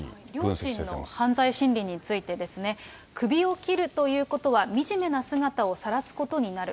両親の犯罪心理についてですね、首を切るということはみじめな姿をさらすことになる。